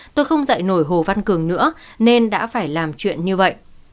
tôi không dạy nổi hồ văn cường nữa nên đã phải làm chuyện như vậy